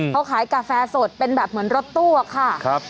เขาขายกาแฟสดเป็นแบบเหมือนรถตู้อะค่ะ